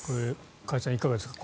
加谷さん、いかがですか。